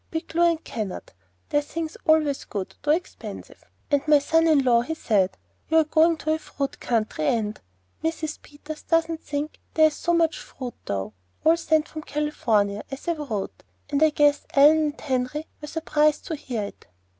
Bigelow and Kennard their things always good, though expensive; and my son in law he said, 'You're going to a fruit country, and ' Mrs. Peters doesn't think there is so much fruit, though. All sent on from California, as I wrote, and I guess Ellen and Henry were surprised to hear it."